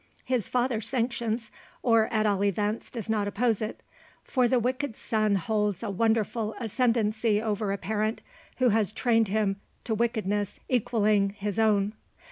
His father sanctions, or at all events does not oppose it. For the wicked son holds a wonderful ascendancy over a parent, who has trained him to wickedness equalling his own.